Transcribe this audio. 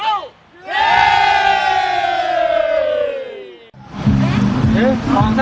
สวัสดีครับวันนี้ชัพเบียนเอ้าเฮ้ย